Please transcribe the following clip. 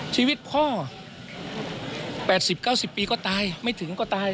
ชีวิตพ่อ๘๐๙๐ปีก็ตายไม่ถึงก็ตาย